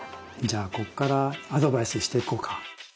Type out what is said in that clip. じゃあこっからアドバイスしていこうか。